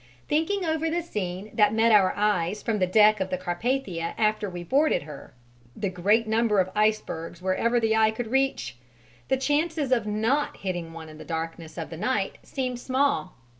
Thinking over the scene that met our eyes from the deck of the Carpathia after we boarded her, the great number of icebergs wherever the eye could reach, the chances of not hitting one in the darkness of the night seemed small.